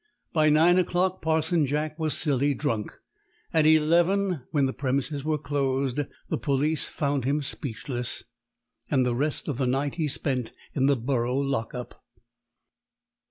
By nine o'clock Parson Jack was silly drunk; at eleven, when the premises were closed, the police found him speechless; and the rest of the night he spent in the borough lock up.